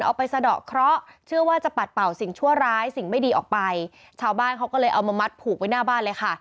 เอาไปสะดอกเคราะห์เชื่อว่าจะปัดเป่าสิ่งชั่วร้ายสิ่งไม่ดีออกไปชาวบ้านเขาก็เลยเอามามัดผูกไว้หน้าบ้านเลยค่ะ